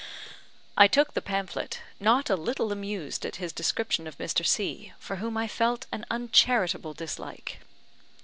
I took the pamphlet, not a little amused at his description of Mr. C , for whom I felt an uncharitable dislike.